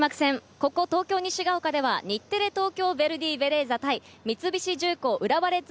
ここ、東京・西が丘では日テレ・東京ヴェルディベレーザ対、三菱重工浦和レッズ